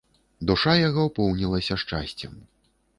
Душа яго поўнілася шчасцем.